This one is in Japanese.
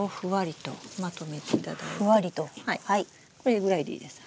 これぐらいでいいです。